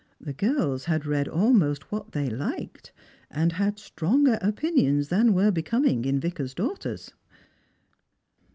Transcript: The girls had read ahnost what they liked, and had stronger opinions than were becoming in a vicar's daughters.